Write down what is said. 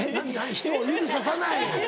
人を指ささない！